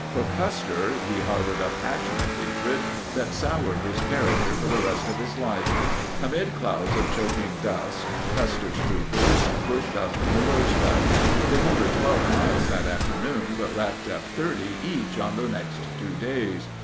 For Custer he har bored a passionate hatred that soured his character for the rest of his life. Amid clouds of choking dust, Custer's troopers pushed up the Rosebud. They covered 12 miles that afternoon but racked up 30 each on the next two days.